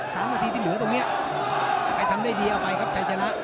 สามนาทีที่เหลือตรงเนี้ยใครทำได้ดีเอาไปครับชัยชนะ